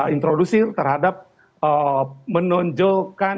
introducer terhadap menonjolkan